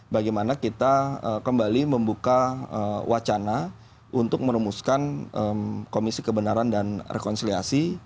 bagaimana kita kembali membuka wacana untuk merumuskan komisi kebenaran dan rekonsiliasi